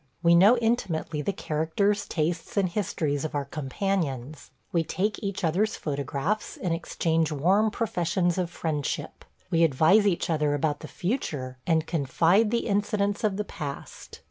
We know intimately the characters, tastes, and histories of our companions. We take each other's photographs, and exchange warm professions of friendship; we advise each other about the future, and confide the incidents of the past.